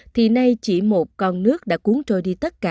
thì nay chỉ một con nước đã cuốn trôi đi tất cả